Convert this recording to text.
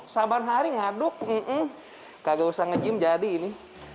sabar hari ngaduk gak usah nge gym jadi ini